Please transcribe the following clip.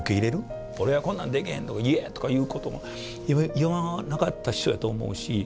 俺はこんなんできへんとか言えんとかいうことも言わなかった師匠やと思うし。